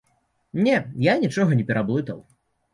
Не, я нічога не пераблытаў.